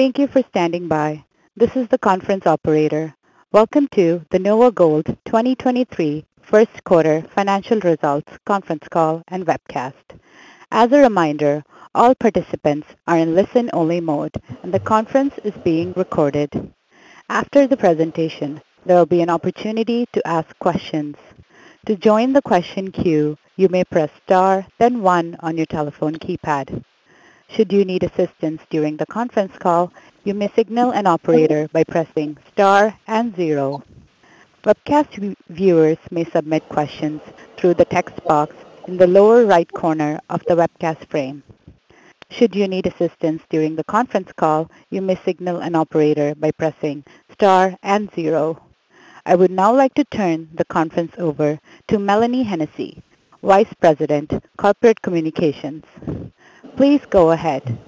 Thank you for standing by. This is the Conference operator. Welcome to the NOVAGOLD 2023 first quarter financial results conference call and webcast. As a reminder, all participants are in listen-only mode, and the conference is being recorded. After the presentation, there will be an opportunity to ask questions. To join the question queue, you may press star then one on your telephone keypad. Should you need assistance during the conference call, you may signal an operator by pressing star and zero. Webcast viewers may submit questions through the text box in the lower right corner of the webcast frame. Should you need assistance during the conference call, you may signal an operator by pressing star and zero. I would now like to turn the conference over to Mélanie Hennessey, Vice President, Corporate Communications. Please go ahead.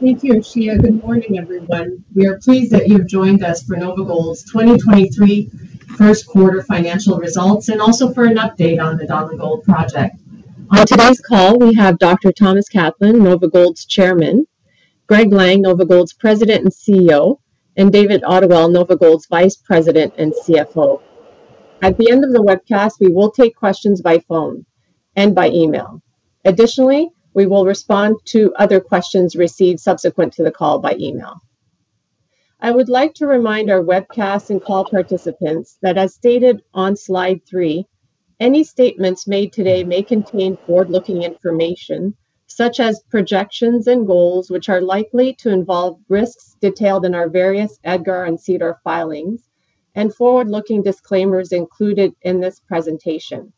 Thank you, Ashia. Good morning, everyone. We are pleased that you have joined us for NOVAGOLD's 2023 first quarter financial results, and also for an update on the Donlin Gold project. On today's call, we have Dr. Thomas Kaplan, NOVAGOLD's Chairman, Greg Lang, NOVAGOLD's President and CEO, and David Ottewell, NOVAGOLD's Vice President and CFO. At the end of the webcast, we will take questions by phone and by email. Additionally, we will respond to other questions received subsequent to the call by email. I would like to remind our webcast and call participants that as stated on slide three, any statements made today may contain forward-looking information such as projections and goals which are likely to involve risks detailed in our various EDGAR and SEDAR filings and forward-looking disclaimers included in this presentation.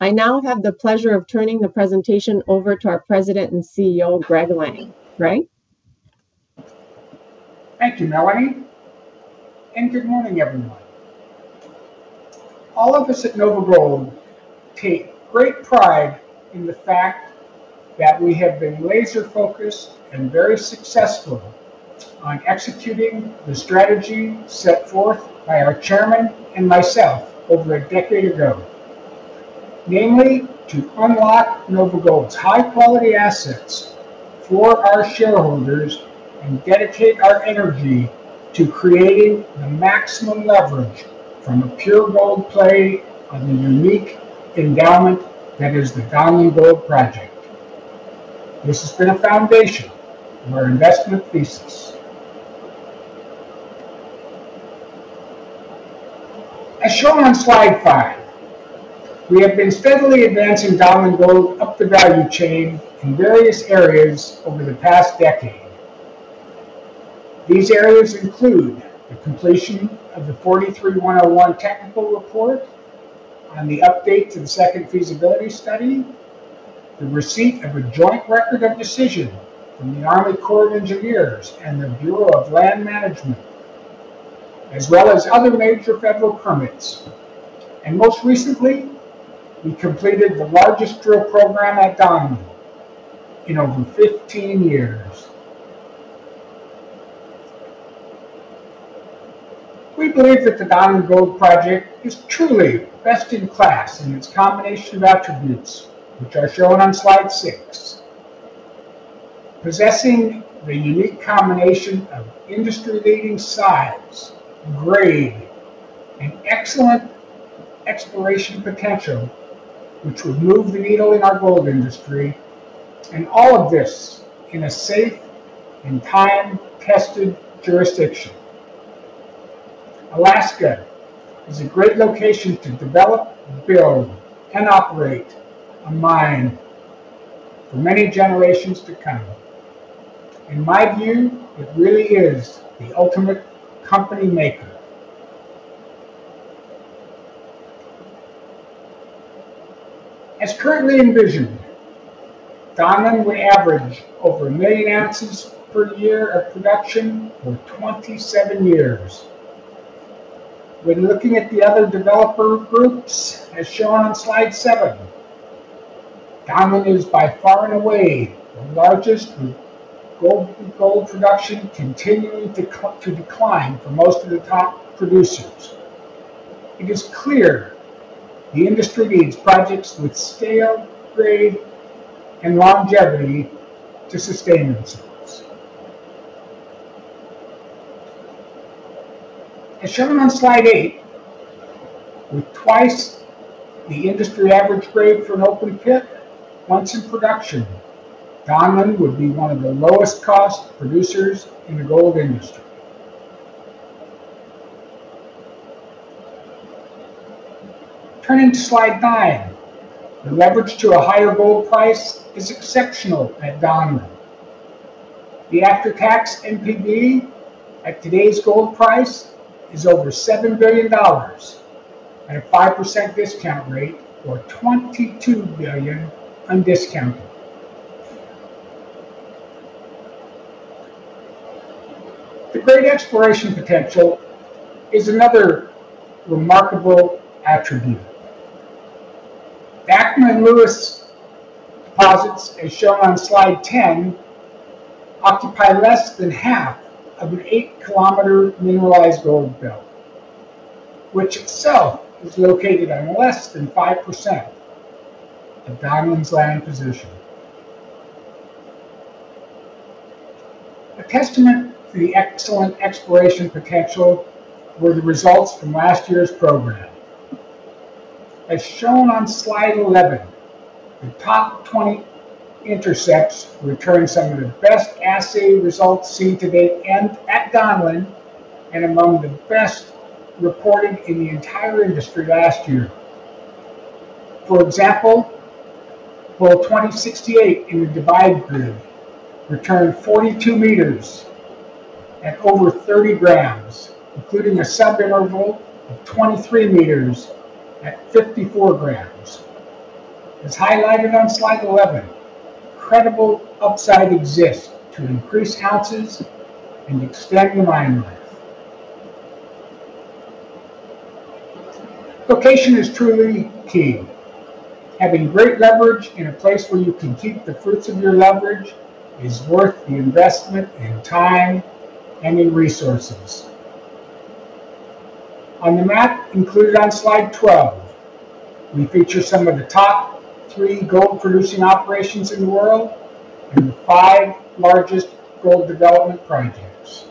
I now have the pleasure of turning the presentation over to our President and CEO, Greg Lang. Greg. Thank you, Mélanie, good morning, everyone. All of us at NOVAGOLD take great pride in the fact that we have been laser-focused and very successful on executing the strategy set forth by our Chairman and myself over a decade ago. Namely, to unlock NOVAGOLD's high quality assets for our shareholders and dedicate our energy to creating the maximum leverage from a pure gold play on the unique endowment that is the Donlin Gold project. This has been a foundation of our investment thesis. As shown on slide five, we have been steadily advancing Donlin Gold up the value chain in various areas over the past decade. These areas include the completion of the NI 43-101 technical report on the update to the second feasibility study, the receipt of a joint record of decision from the Army Corps of Engineers and the Bureau of Land Management, as well as other major federal permits. Most recently, we completed the largest drill program at Donlin Gold in over 15 years. We believe that the Donlin Gold project is truly best in class in its combination of attributes, which are shown on slide six. Possessing the unique combination of industry-leading size, grade, and excellent exploration potential, which would move the needle in our gold industry, and all of this in a safe and time-tested jurisdiction. Alaska is a great location to develop, build, and operate a mine for many generations to come. In my view, it really is the ultimate company maker. As currently envisioned, Donlin will average over one million ounces per year of production for 27 years. When looking at the other developer groups, as shown on Slide seven, Donlin is by far and away the largest with gold production continuing to decline for most of the top producers. It is clear the industry needs projects with scale, grade, and longevity to sustain themselves. As shown on Slide eight, with twice the industry average grade for an open pit, once in production, Donlin would be one of the lowest cost producers in the gold industry. Turning to Slide nine, the leverage to a higher gold price is exceptional at Donlin. The after-tax NPV at today's gold price is over $7 billion at a 5% discount rate or $22 billion undiscounted. The great exploration potential is another remarkable attribute. ACMA and Lewis deposits, as shown on slide 10, occupy less than half of an 8 km mineralized gold belt, which itself is located on less than 5% of Donlin's land position. A testament to the excellent exploration potential were the results from last year's program. As shown on slide 11, the top 20 intercepts returned some of the best assay results seen to date and at Donlin, and among the best reported in the entire industry last year. For example, hole 2068 in the Divide grid returned 42 meters at over 30 grams, including a subinterval of 23 meters at 54 grams. As highlighted on slide 11, incredible upside exists to increase ounces and extend the mine life. Location is truly key. Having great leverage in a place where you can keep the fruits of your leverage is worth the investment in time and in resources. On the map included on slide 12, we feature some of the top three gold producing operations in the world and the five largest gold development projects.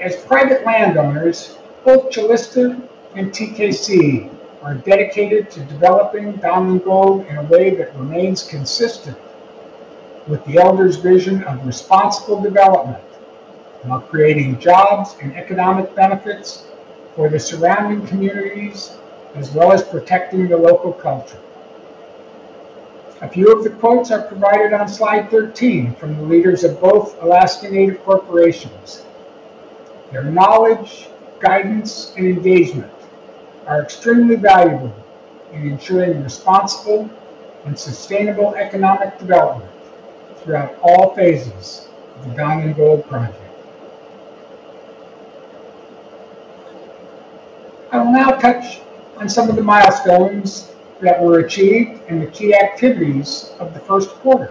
As private landowners, both Calista and TKC are dedicated to developing Donlin Gold in a way that remains consistent with the elders' vision of responsible development while creating jobs and economic benefits for the surrounding communities, as well as protecting the local culture. A few of the quotes are provided on slide 13 from the leaders of both Alaska Native Corporations. Their knowledge, guidance, and engagement are extremely valuable in ensuring responsible and sustainable economic development throughout all phases of the Donlin Gold project. I will now touch on some of the milestones that were achieved and the key activities of the first quarter.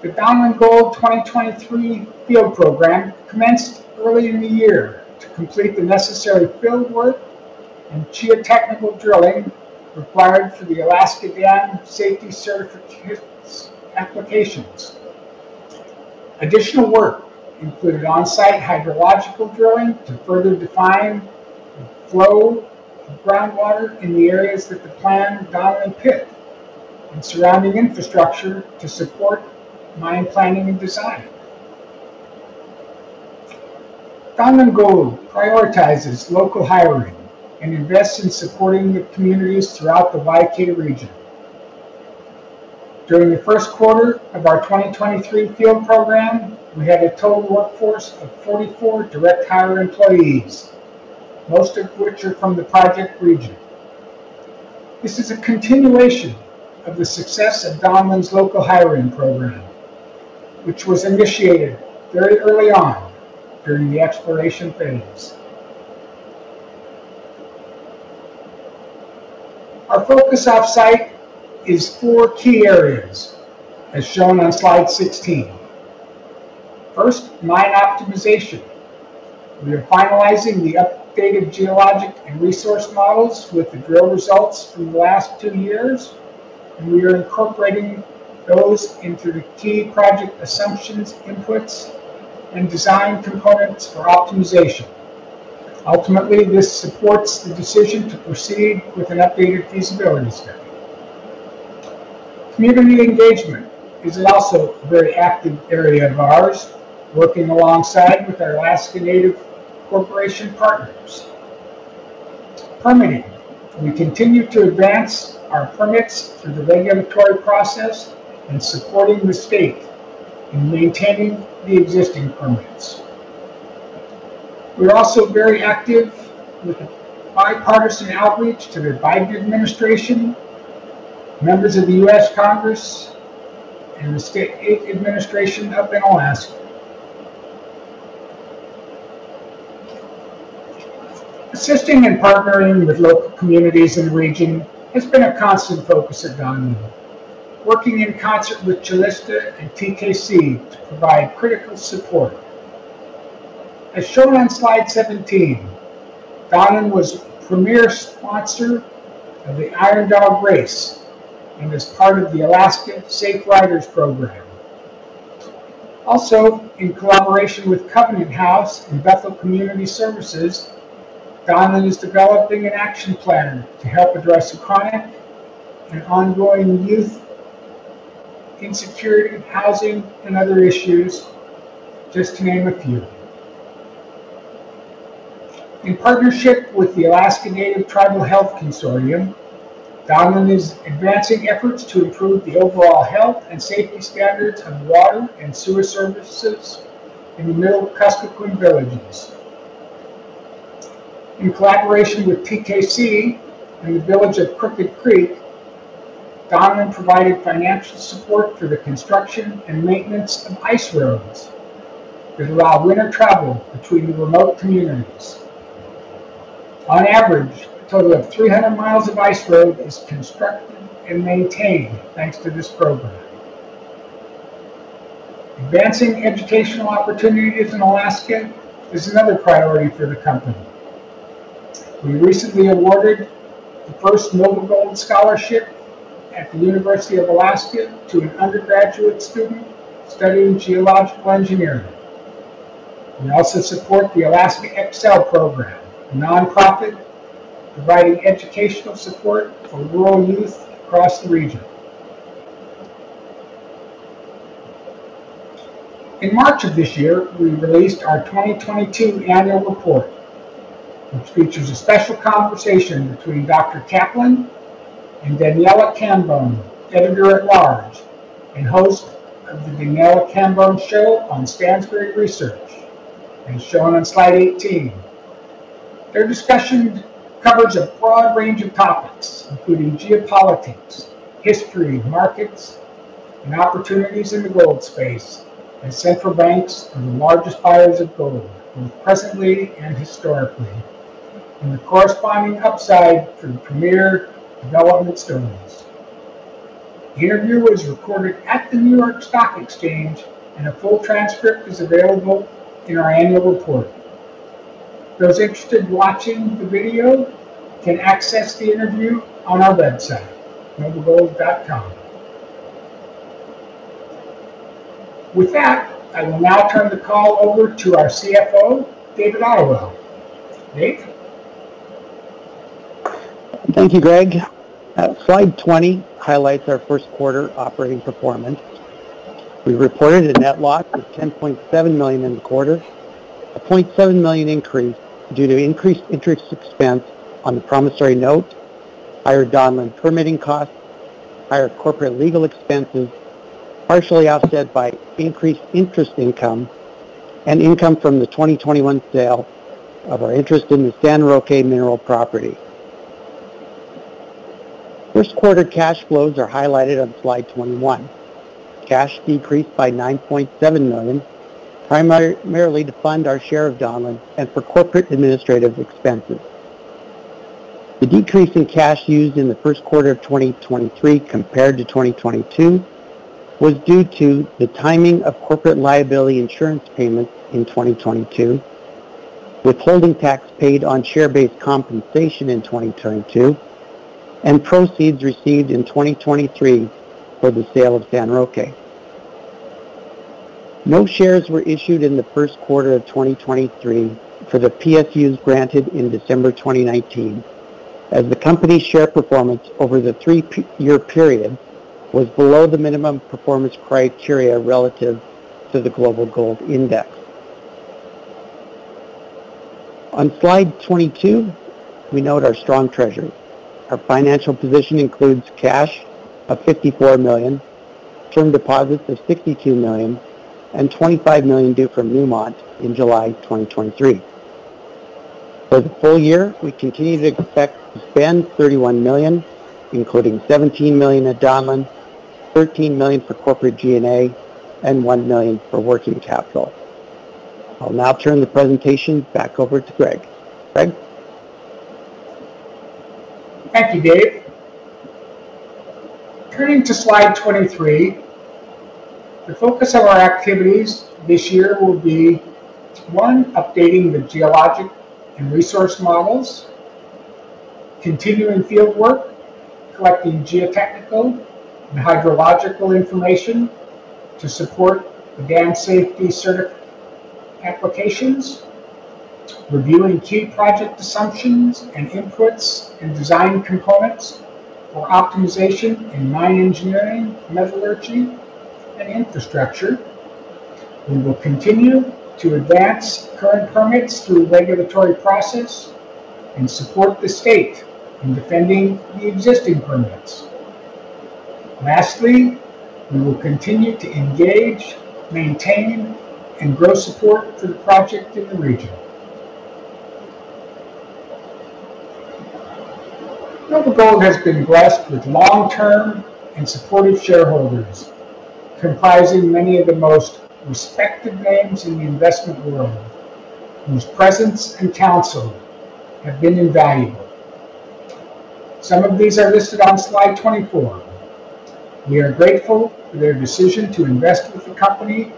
The Donlin Gold 2023 field program commenced early in the year to complete the necessary field work and geotechnical drilling required for the Alaska Dam Safety Applications. Additional work included on-site hydrological drilling to further define the flow of groundwater in the areas that the planned Donlin pit and surrounding infrastructure to support mine planning and design. Donlin Gold prioritizes local hiring and invests in supporting the communities throughout the Y-K region. During the first quarter of our 2023 field program, we had a total workforce of 44 direct hire employees, most of which are from the project region. This is a continuation of the success of Donlin's local hiring program, which was initiated very early on during the exploration phase. Our focus offsite is four key areas, as shown on slide 16. First, mine optimization. We are finalizing the updated geologic and resource models with the drill results from the last two years, and we are incorporating those into the key project assumptions, inputs, and design components for optimization. Ultimately, this supports the decision to proceed with an updated feasibility study. Community engagement is also a very active area of ours, working alongside with our Alaska Native Corporation partners. Permitting. We continue to advance our permits through the regulatory process and supporting the state in maintaining the existing permits. We're also very active with the bipartisan outreach to the Biden administration, members of the U.S. Congress, and the state administration up in Alaska. Assisting and partnering with local communities in the region has been a constant focus of Donlin, working in concert with Calista and TKC to provide critical support. As shown on slide 17, Donlin was premier sponsor of the Iron Dog Race and is part of the Alaska Safe Riders program. In collaboration with Covenant House and Bethel Community Services, Donlin is developing an action plan to help address the chronic and ongoing youth insecurity of housing and other issues, just to name a few. In partnership with the Alaska Native Tribal Health Consortium, Donlin is advancing efforts to improve the overall health and safety standards of water and sewer services in the middle Kuskokwim villages. In collaboration with TKC and the village of Crooked Creek, Donlin provided financial support for the construction and maintenance of ice roads that allow winter travel between the remote communities. On average, a total of 300 miles of ice road is constructed and maintained thanks to this program. Advancing educational opportunities in Alaska is another priority for the company. We recently awarded the first NOVAGOLD scholarship at the University of Alaska to an undergraduate student studying geological engineering. We also support the Alaska EXCEL program, a nonprofit providing educational support for rural youth across the region. In March of this year, we released our 2022 annual report, which features a special conversation between Dr. Kaplan and Daniela Cambone, editor-at-large and host of The Daniela Cambone Show on Stansberry Research, as shown on slide 18. Their discussion covers a broad range of topics, including geopolitics, history, markets, and opportunities in the gold space, as central banks are the largest buyers of gold, both presently and historically, and the corresponding upside for the premier development stories. The interview was recorded at the New York Stock Exchange, and a full transcript is available in our annual report. Those interested in watching the video can access the interview on our website, novagold.com. With that, I will now turn the call over to our CFO, David Ottewell. Dave? Thank you, Greg. Slide 20 highlights our first quarter operating performance. We reported a net loss of $10.7 million in the quarter, a $0.7 million increase due to increased interest expense on the promissory note, higher Donlin permitting costs, higher corporate legal expenses, partially offset by increased interest income and income from the 2021 sale of our interest in the San Roque Mineral property. First quarter cash flows are highlighted on slide 21. Cash decreased by $9.7 million, primarily to fund our share of Donlin and for corporate administrative expenses. The decrease in cash used in the first quarter of 2023 compared to 2022 was due to the timing of corporate liability insurance payments in 2022, withholding tax paid on share-based compensation in 2022, and proceeds received in 2023 for the sale of San Roque. No shares were issued in the first quarter of 2023 for the PSUs granted in December 2019, as the company's share performance over the three year period was below the minimum performance criteria relative to the Global Gold Index. On slide 22, we note our strong treasury. Our financial position includes cash of $54 million, term deposits of $62 million, and $25 million due from Newmont in July 2023. For the full year, we continue to expect to spend $31 million, including $17 million at Donlin, $13 million for corporate G&A, and $1 million for working capital. I'll now turn the presentation back over to Greg. Greg? Thank you, Dave. Turning to slide 23, the focus of our activities this year will be, one, updating the geologic and resource models, continuing field work, collecting geotechnical and hydrological information to support the dam safety cert applications, reviewing key project assumptions and inputs and design components for optimization in mine engineering, metallurgy, and infrastructure. We will continue to advance current permits through regulatory process and support the state in defending the existing permits. Lastly, we will continue to engage, maintain, and grow support for the project in the region. NOVAGOLD has been blessed with long-term and supportive shareholders, comprising many of the most respected names in the investment world, whose presence and counsel have been invaluable. Some of these are listed on slide 24. We are grateful for their decision to invest with the company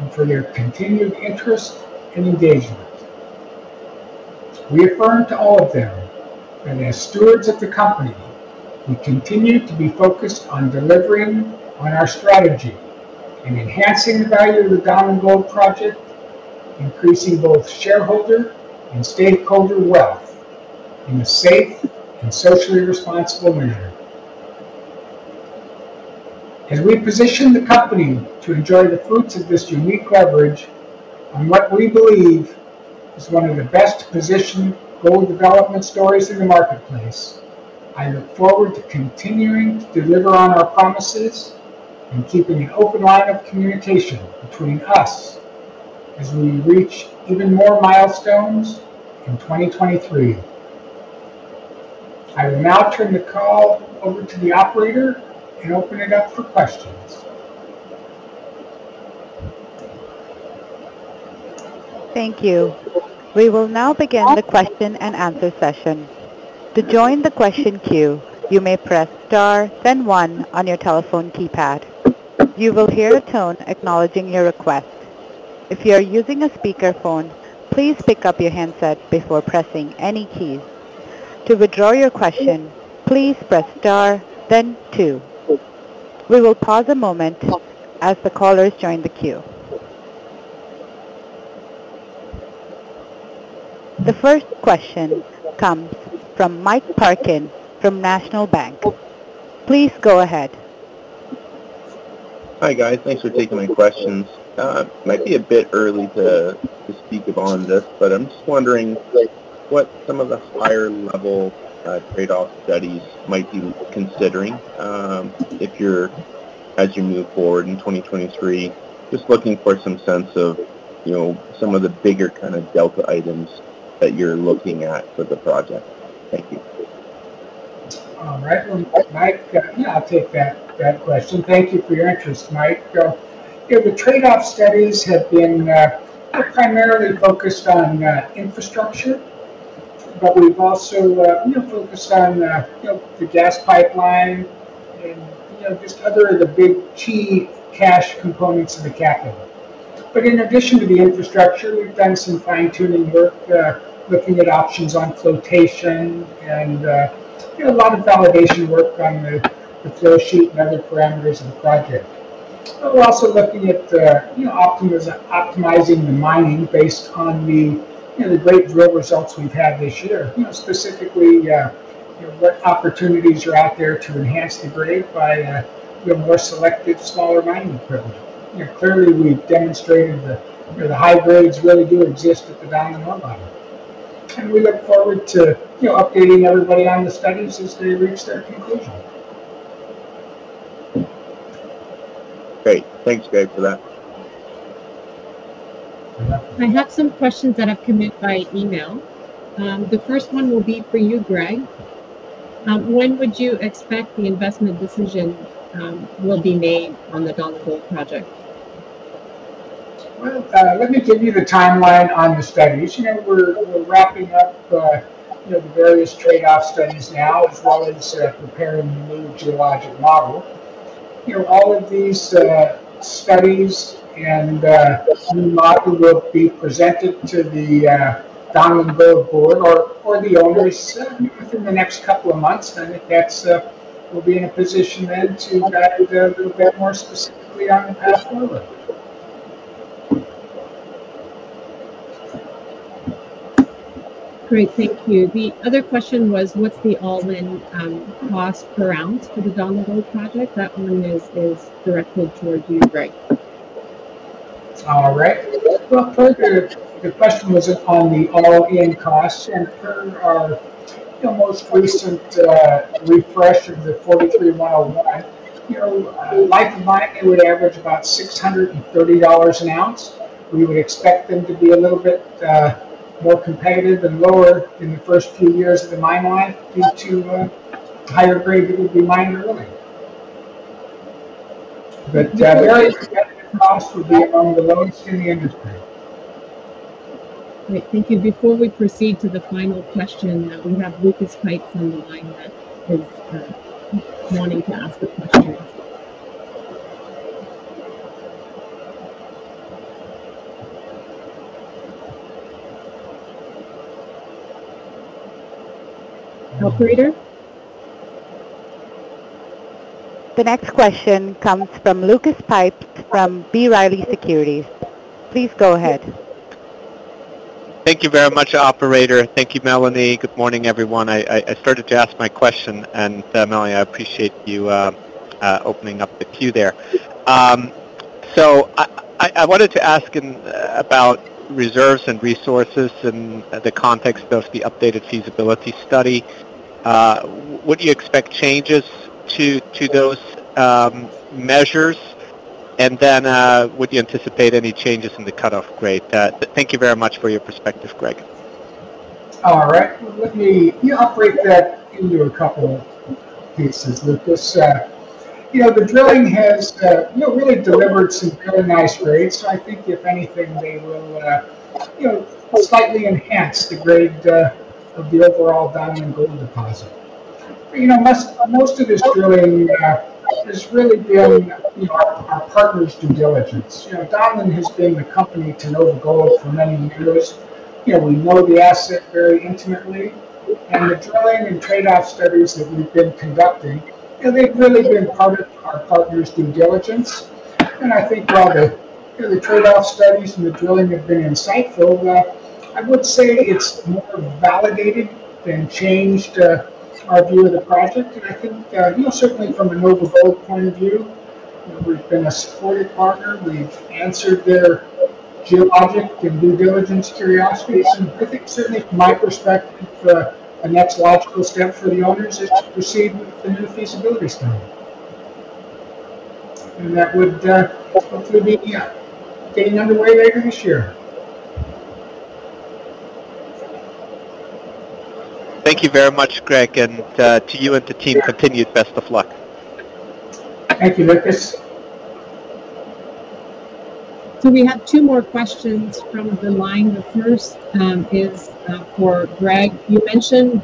and for their continued interest and engagement. We affirm to all of them that as stewards of the company, we continue to be focused on delivering on our strategy and enhancing the value of the Donlin Gold project, increasing both shareholder and stakeholder wealth in a safe and socially responsible manner. As we position the company to enjoy the fruits of this unique leverage on what we believe is one of the best-positioned gold development stories in the marketplace, I look forward to continuing to deliver on our promises and keeping an open line of communication between us as we reach even more milestones in 2023. I will now turn the call over to the operator and open it up for questions. Thank you. We will now begin the question and answer session. To join the question queue, you may press Star then one on your telephone keypad. You will hear a tone acknowledging your request. If you are using a speakerphone, please pick up your handset before pressing any keys. To withdraw your question, please press Star then two. We will pause a moment as the callers join the queue. The first question comes from Mike Parkin from National Bank. Please go ahead. Hi, guys. Thanks for taking my questions. It might be a bit early to speak upon this, but I'm just wondering what some of the higher level trade-off studies might be considering as you move forward in 2023. Just looking for some sense of, you know, some of the bigger kinda delta items that you're looking at for the project. Thank you. All right. Well, Mike, yeah, I'll take that question. Thank you for your interest, Mike. Yeah, the trade-off studies have been primarily focused on infrastructure, but we've also, you know, focused on, you know, the gas pipeline and, you know, just other of the big key cash components of the capital. In addition to the infrastructure, we've done some fine-tuning work looking at options on flotation and, you know, a lot of validation work on the flow sheet and other parameters of the project. We're also looking at, you know, optimizing the mining based on the, you know, the great drill results we've had this year. You know, specifically, you know, what opportunities are out there to enhance the grade by, you know, more selective smaller mining equipment. You know, clearly we've demonstrated the, you know, the high grades really do exist at the Donlin Gold mine. We look forward to, you know, updating everybody on the studies as they reach their conclusion. Great. Thanks, guys, for that. I have some questions that have come in via email. The first one will be for you, Greg. When would you expect the investment decision, will be made on the Donlin Gold Project? Well, let me give you the timeline on the studies. You know, we're wrapping up, you know, the various trade-off studies now, as well as preparing the new geologic model. You know, all of these studies and new model will be presented to the Donlin Gold board or the owners within the next couple of months. If that's, we'll be in a position then to guide a little bit more specifically on the path forward. Great. Thank you. The other question was, what's the all-in cost per ounce for the Donlin Gold project? That one is directed towards you, Greg. All right. Well, the question was on the all-in cost. Per our, you know, most recent refresh of the 43-year mine, you know, life of mine, it would average about $630 an ounce. We would expect them to be a little bit more competitive and lower in the first few years of the mine life due to higher grade that would be mined early. The average cost will be among the lowest in the industry. Great. Thank you. Before we proceed to the final question, we have Lucas Pipes on the line that is wanting to ask a question. Operator? The next question comes from Lucas Pipes from B. Riley Securities. Please go ahead. Thank you very much, operator. Thank you, Mélanie. Good morning, everyone. I started to ask my question, and Mélanie, I appreciate you opening up the queue there. I wanted to ask in about reserves and resources in the context of the updated feasibility study. Would you expect changes to those measures? Would you anticipate any changes in the cutoff grade? Thank you very much for your perspective, Greg. All right. Well, let me operate that into a couple of pieces, Lucas. You know, the drilling has, you know, really delivered some really nice grades. I think if anything, they will, you know, slightly enhance the grade of the overall Donlin Gold deposit. You know, most of this drilling has really been, you know, our partner's due diligence. You know, Donlin has been a company to NOVAGOLD for many years. You know, we know the asset very intimately. The drilling and trade-off studies that we've been conducting, you know, they've really been part of our partner's due diligence. I think while the, you know, the trade-off studies and the drilling have been insightful, I would say it's more validated than changed, our view of the project. I think, you know, certainly from a NOVAGOLD point of view, you know, we've been a supportive partner. We've answered their geologic and due diligence curiosities. I think certainly from my perspective, the, a next logical step for the owners is to proceed with the new feasibility study. That would, hopefully be, getting underway later this year. Thank you very much, Greg, and to you and the team, continued best of luck. Thank you, Lucas. We have two more questions from the line. The first is for Greg. You mentioned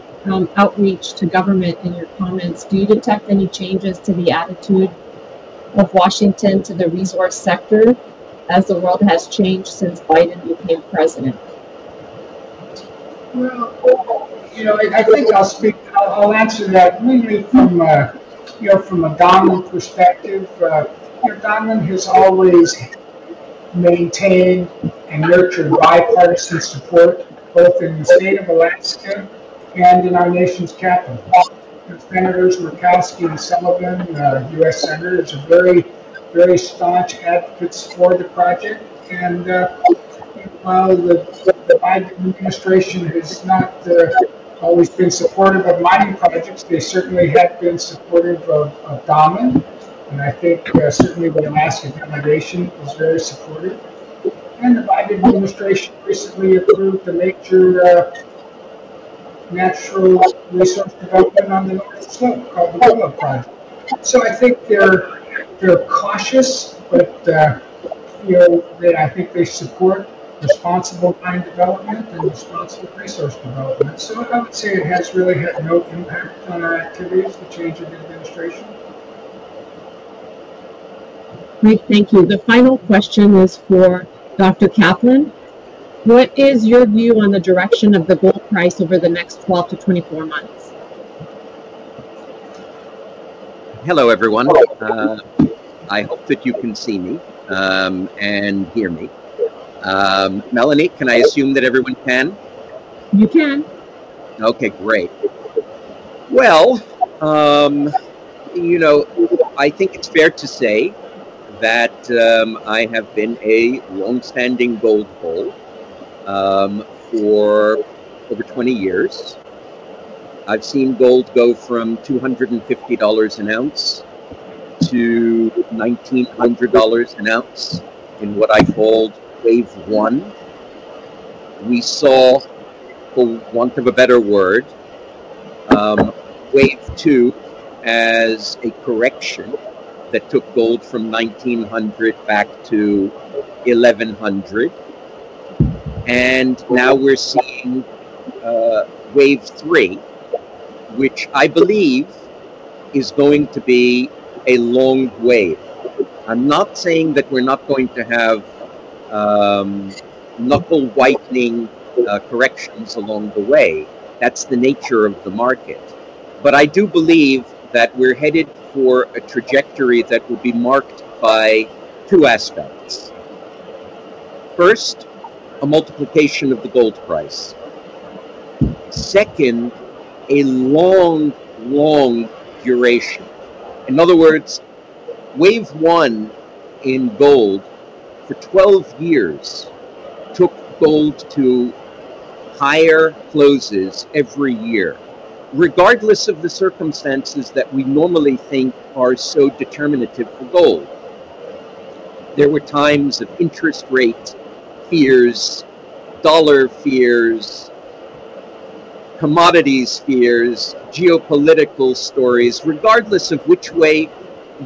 outreach to government in your comments. Do you detect any changes to the attitude of Washington to the resource sector as the world has changed since Biden became president? Well, you know, I think I'll answer that really from, you know, from a Donlin perspective. You know, Donlin has always maintained and nurtured bipartisan support, both in the state of Alaska and in our nation's capital. Senators Murkowski and Sullivan, U.S. senators, are very staunch advocates for the project. While the Biden administration has not always been supportive of mining projects, they certainly have been supportive of Donlin. I think certainly the Alaska delegation is very supportive. The Biden administration recently approved the major natural resource development on the North Slope called the Willow Project. I think they're cautious, but, you know, I think they support responsible mine development and responsible resource development. I would say it has really had no impact on our activities, the change in the administration. Great. Thank you. The final question was for Dr. Kaplan. What is your view on the direction of the gold price over the next 12-24 months? Hello, everyone. I hope that you can see me, and hear me. Mélanie, can I assume that everyone can? You can. Okay, great. Well, you know, I think it's fair to say that, I have been a longstanding gold bull, for over 20 years. I've seen gold go from $250 an ounce to $1,900 an ounce in what I called wave one. We saw, for want of a better word, wave two as a correction that took gold from $1,900 back to $1,100. Now we're seeing, wave three, which I believe is going to be a long wave. I'm not saying that we're not going to have, knuckle whitening, corrections along the way. That's the nature of the market. I do believe that we're headed for a trajectory that will be marked by two aspects. First, a multiplication of the gold price. Second, a long, long duration. In other words, wave one in gold for 12 years took gold to higher closes every year, regardless of the circumstances that we normally think are so determinative for gold. There were times of interest rate fears, dollar fears, commodities fears, geopolitical stories. Regardless of which way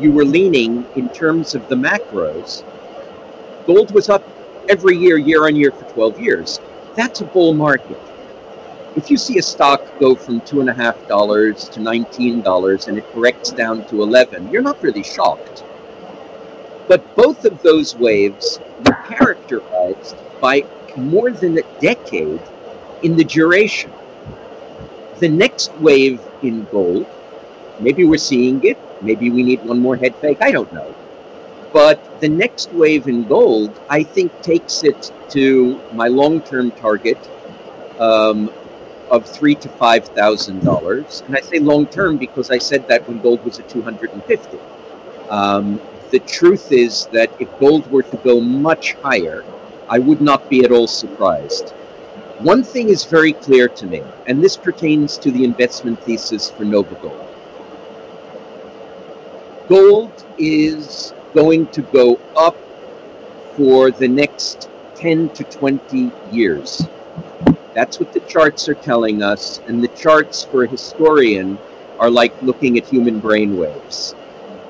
you were leaning in terms of the macros, gold was up every year on year for 12 years. That's a bull market. If you see a stock go from $2.50-$19 and it corrects down to $11, you're not really shocked. Both of those waves were characterized by more than a decade in the duration. The next wave in gold, maybe we're seeing it, maybe we need one more head fake, I don't know. The next wave in gold I think takes it to my long-term target, of $3,000-$5,000. I say long-term because I said that when gold was at $250. The truth is that if gold were to go much higher, I would not be at all surprised. One thing is very clear to me, and this pertains to the investment thesis for NOVAGOLD. Gold is going to go up for the next 10-20 years. That's what the charts are telling us, and the charts for a historian are like looking at human brainwaves.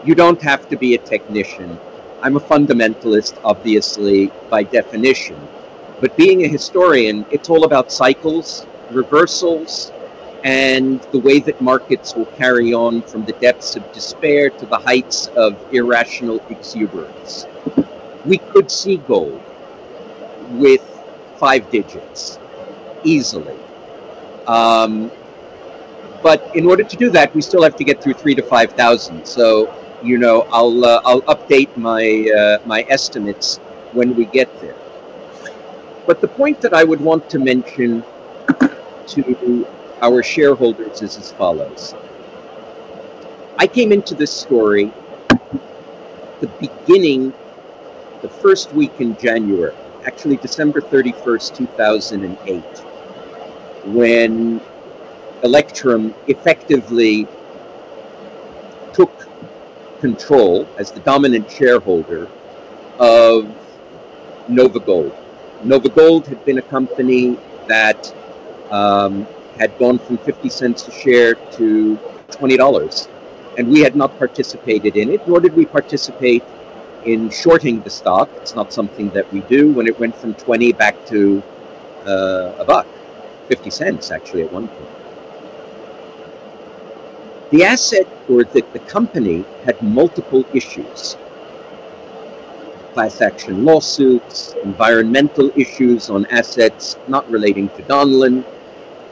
You don't have to be a technician. I'm a fundamentalist, obviously, by definition. Being a historian, it's all about cycles, reversals, and the way that markets will carry on from the depths of despair to the heights of irrational exuberance. We could see gold with 5 digits easily. In order to do that, we still have to get through $3,000-$5,000. you know, I'll update my estimates when we get there. The point that I would want to mention to our shareholders is as follows. I came into this story the beginning, the first week in January, actually December 31, 2008, when Electrum effectively took control as the dominant shareholder of NOVAGOLD. NOVAGOLD had been a company that had gone from $0.50 a share to $20. We had not participated in it, nor did we participate in shorting the stock. It's not something that we do when it went from $20 back to a buck, $0.50 actually at one point. The asset or the company had multiple issues. Class action lawsuits, environmental issues on assets not relating to Donlin.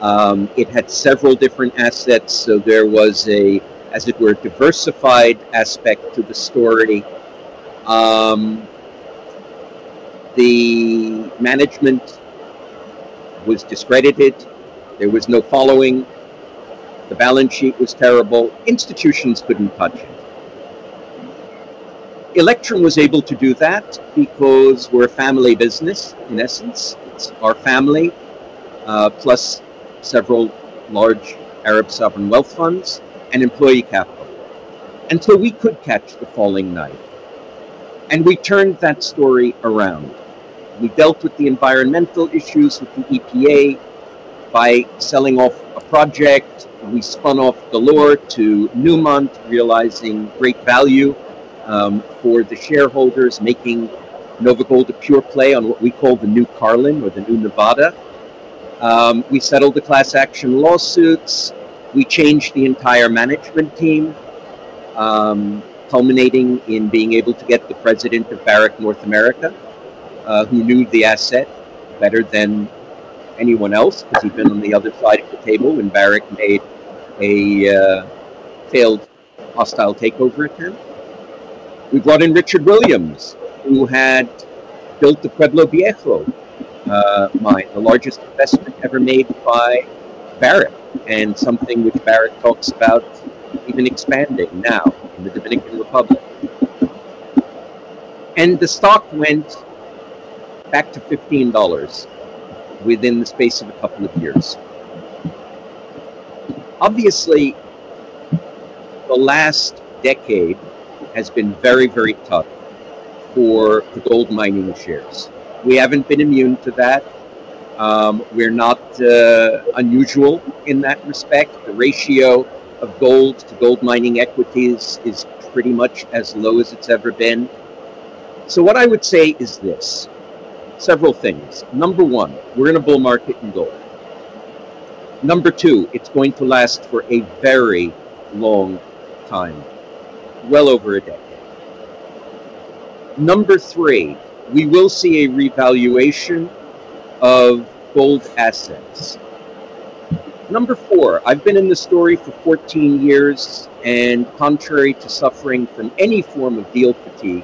It had several different assets. There was a, as it were, diversified aspect to the story. The management was discredited. There was no following. The balance sheet was terrible. Institutions couldn't touch it. Electrum was able to do that because we're a family business in essence. It's our family plus several large Arab sovereign wealth funds and employee capital. We could catch the falling knife. We turned that story around. We dealt with the environmental issues with the EPA by selling off a project. We spun off Galore to Newmont, realizing great value for the shareholders, making NOVAGOLD a pure play on what we call the new Carlin or the new Nevada. We settled the class action lawsuits. We changed the entire management team, culminating in being able to get the president of Barrick North America, who knew the asset better than anyone else because he'd been on the other side of the table when Barrick made a failed hostile takeover attempt. We brought in Richard Williams, who had built the Pueblo Viejo Mine, the largest investment ever made by Barrick and something which Barrick talks about even expanding now in the Dominican Republic. The stock went back to $15 within the space of a couple of years. Obviously, the last decade has been very, very tough for the gold mining shares. We haven't been immune to that. We're not unusual in that respect. The ratio of gold to gold mining equities is pretty much as low as it's ever been. What I would say is this, several things. Number one, we're in a bull market in gold. Number two, it's going to last for a very long time, well over a decade. Number three, we will see a revaluation of gold assets. Number four, I've been in the story for 14 years and contrary to suffering from any form of deal fatigue,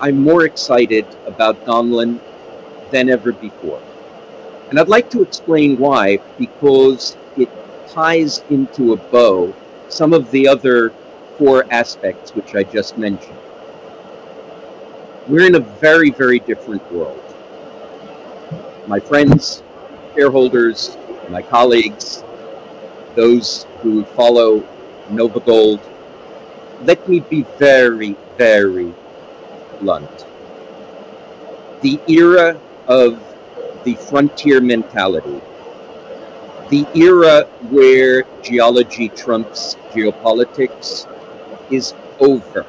I'm more excited about Donlin than ever before. I'd like to explain why because it ties into a bow some of the other four aspects which I just mentioned. We're in a very, very different world. My friends, shareholders, my colleagues, those who follow NOVAGOLD, let me be very, very blunt. The era of the frontier mentality, the era where geology trumps geopolitics is over.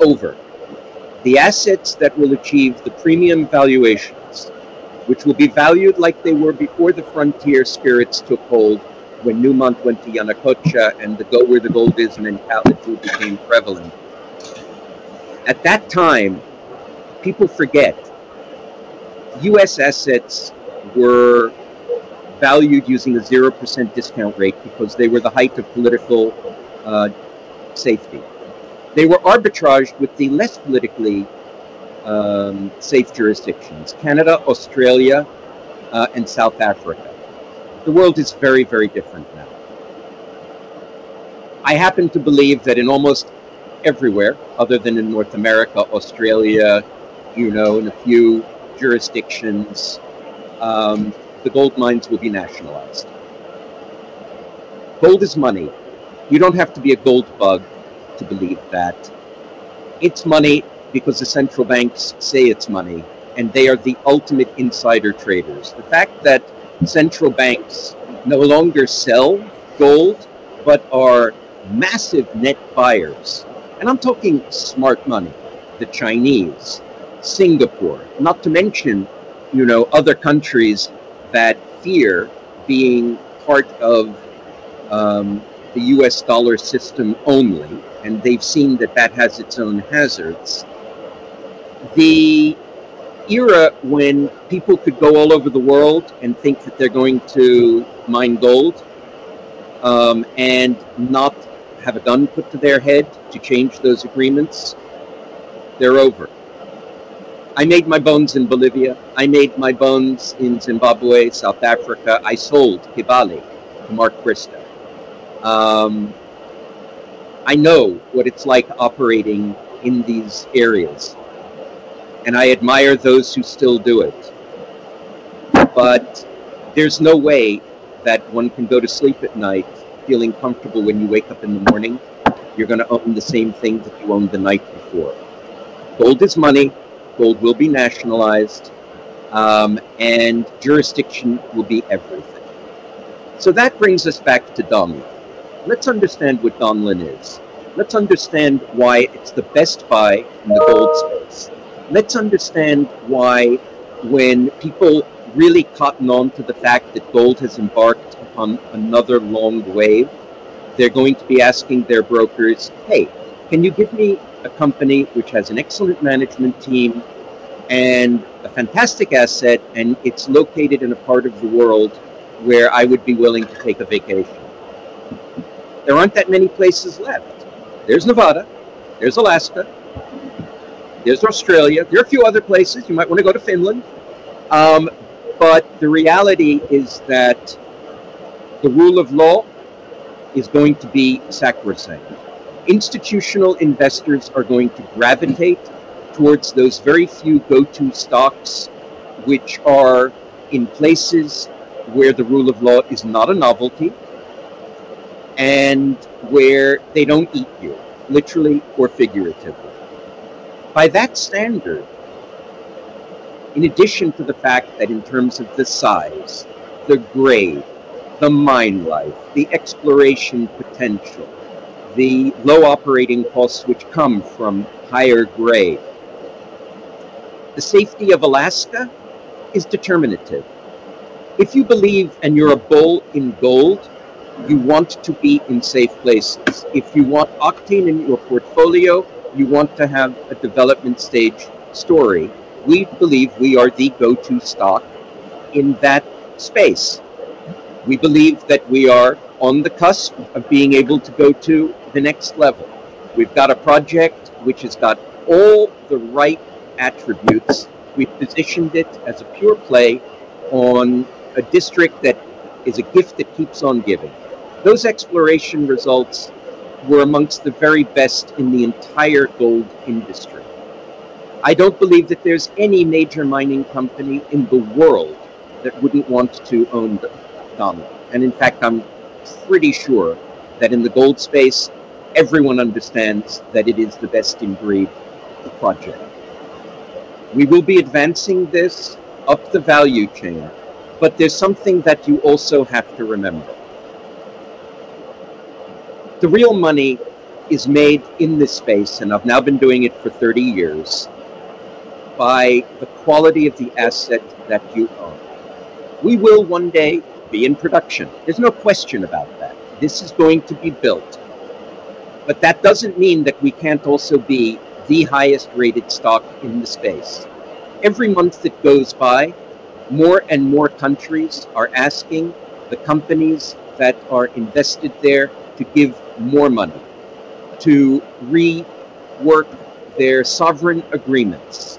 Over. The assets that will achieve the premium valuations, which will be valued like they were before the frontier spirits took hold when Newmont went to Yanacocha and the go where the gold is mentality became prevalent. At that time, people forget, U.S. assets were valued using a 0% discount rate because they were the height of political safety. They were arbitraged with the less politically safe jurisdictions, Canada, Australia, and South Africa. The world is very, very different now. I happen to believe that in almost everywhere other than in North America, Australia, you know, in a few jurisdictions, the gold mines will be nationalized. Gold is money. You don't have to be a gold bug to believe that. It's money because the central banks say it's money and they are the ultimate insider traders. The fact that central banks no longer sell gold but are massive net buyers, and I'm talking smart money, the Chinese, Singapore, not to mention, you know, other countries that fear being part of the U.S. dollar system only and they've seen that that has its own hazards. The era when people could go all over the world and think that they're going to mine gold and not have a gun put to their head to change those agreements, they're over. I made my bones in Bolivia. I made my bones in Zimbabwe, South Africa. I sold Kibali to Mark Bristow. I know what it's like operating in these areas and I admire those who still do it. There's no way that one can go to sleep at night feeling comfortable when you wake up in the morning, you're gonna own the same thing that you owned the night before. Gold is money. Gold will be nationalized, and jurisdiction will be everything. That brings us back to Donlin. Let's understand what Donlin is. Let's understand why it's the best buy in the gold space. Let's understand why when people really cotton on to the fact that gold has embarked upon another long wave, they're going to be asking their brokers, "Hey, can you give me a company which has an excellent management team and a fantastic asset, and it's located in a part of the world where I would be willing to take a vacation?" There aren't that many places left. There's Nevada, there's Alaska, there's Australia. There are a few other places. You might wanna go to Finland. The reality is that the rule of law is going to be sacrosanct. Institutional investors are going to gravitate towards those very few go-to stocks, which are in places where the rule of law is not a novelty, and where they don't eat you, literally or figuratively. By that standard, in addition to the fact that in terms of the size, the grade, the mine life, the exploration potential, the low operating costs which come from higher grade, the safety of Alaska is determinative. If you believe and you're a bull in gold, you want to be in safe places. If you want octane in your portfolio, you want to have a development stage story. We believe we are the go-to stock in that space. We believe that we are on the cusp of being able to go to the next level. We've got a project which has got all the right attributes. We've positioned it as a pure play on a district that is a gift that keeps on giving. Those exploration results were amongst the very best in the entire gold industry. I don't believe that there's any major mining company in the world that wouldn't want to own the Donlin. In fact, I'm pretty sure that in the gold space, everyone understands that it is the best in breed project. We will be advancing this up the value chain, but there's something that you also have to remember. The real money is made in this space, and I've now been doing it for 30 years, by the quality of the asset that you own. We will one day be in production. There's no question about that. This is going to be built. That doesn't mean that we can't also be the highest rated stock in the space. Every month that goes by, more and more countries are asking the companies that are invested there to give more money to rework their sovereign agreements.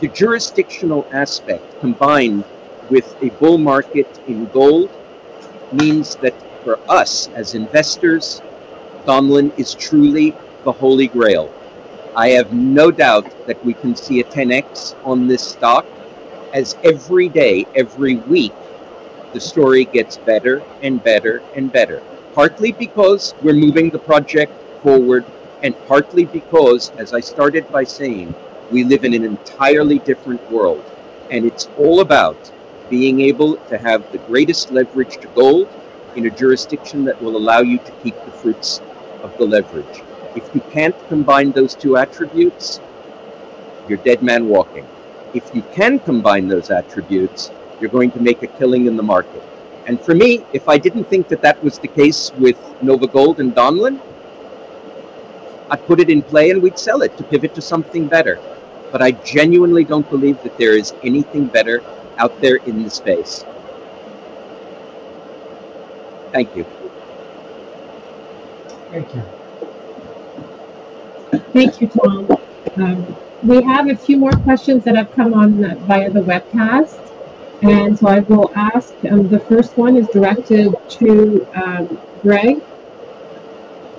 The jurisdictional aspect, combined with a bull market in gold, means that for us as investors, Donlin is truly the Holy Grail. I have no doubt that we can see a 10x on this stock, as every day, every week, the story gets better and better and better. Partly because we're moving the project forward, and partly because, as I started by saying, we live in an entirely different world, and it's all about being able to have the greatest leverage to gold in a jurisdiction that will allow you to keep the fruits of the leverage. If you can't combine those two attributes, you're dead man walking. If you can combine those attributes, you're going to make a killing in the market. For me, if I didn't think that that was the case with NOVAGOLD and Donlin, I'd put it in play, and we'd sell it to pivot to something better. I genuinely don't believe that there is anything better out there in the space. Thank you. Thank you. Thank you, Tom. We have a few more questions that have come via the webcast, and so I will ask, the first one is directed to Greg.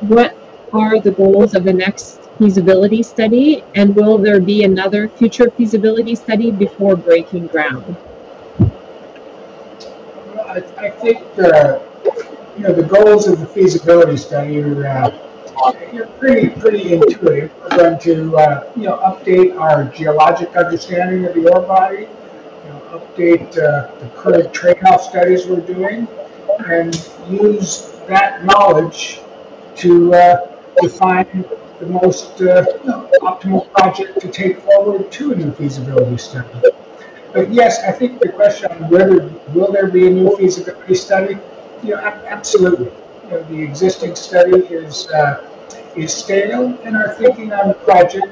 What are the goals of the next feasibility study, and will there be another future feasibility study before breaking ground? Well, I think the, you know, the goals of the feasibility study are pretty intuitive. We're going to, you know, update our geologic understanding of the ore body, you know, update the current trade house studies we're doing, and use that knowledge to find the most optimal project to take forward to a new feasibility study. Yes, I think the question on whether will there be a new feasibility study, you know, absolutely. You know, the existing study is stale, and our thinking on the project,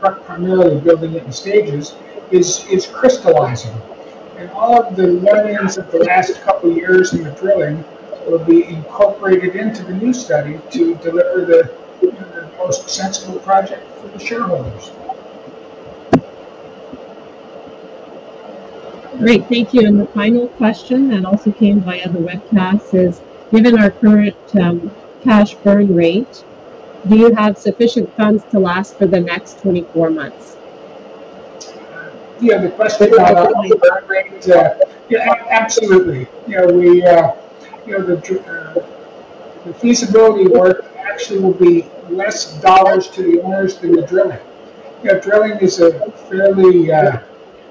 primarily building it in stages, is crystallizing. All of the learnings of the last couple of years in the drilling will be incorporated into the new study to deliver the, you know, the most sensible project for the shareholders. Great. Thank you. The final question that also came via the webcast is, given our current cash burn rate, do you have sufficient funds to last for the next 24 months? The question about our burn rate. Absolutely. You know, we, you know, the feasibility work actually will be less dollars to the owners than the drilling. You know, drilling is a fairly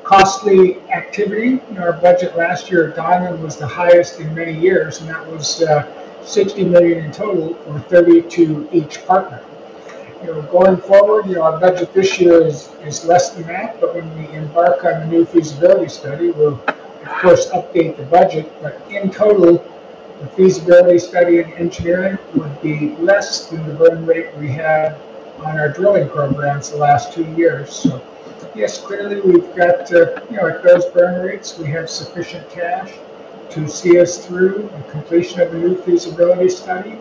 costly activity. Our budget last year at Donlin was the highest in many years, and that was $60 million in total, or $32 million each partner. You know, going forward, you know, our budget this year is less than that, but when we embark on a new feasibility study, we'll of course update the budget. In total, the feasibility study and engineering would be less than the burn rate we had on our drilling programs the last two years. Yes, clearly, we've got, you know, at those burn rates, we have sufficient cash to see us through the completion of the new feasibility study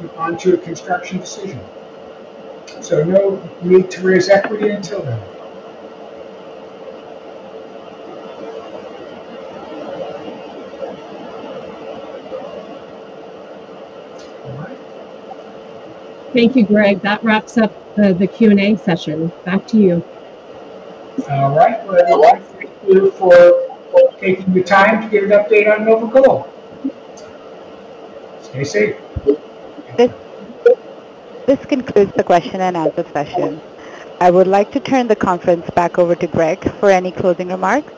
and onto a construction decision. No need to raise equity until then. All right. Thank you, Greg. That wraps up the Q&A session. Back to you. All right. I want to thank you for taking the time to get an update on NOVAGOLD. Stay safe. This concludes the question and answer session. I would like to turn the conference back over to Greg for any closing remarks.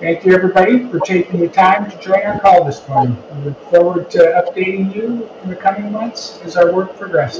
Thank you, everybody, for taking the time to join our call this morning. We look forward to updating you in the coming months as our work progresses.